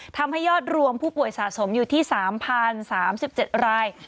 ทำให้ยอดรวมผู้ป่วยสะสมอยู่ที่๓๐๓๗ราย